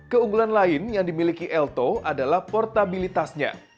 keunggulan lain yang dimiliki elto adalah portabilitasnya